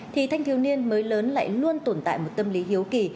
thì thanh thiếu niên mới lớn lại luôn tồn tại một tâm lý hiếu kỳ